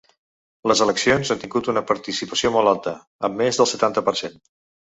Les eleccions han tingut una participació molt alta, amb més del setanta per cent.